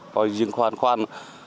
có riêng khoan khoan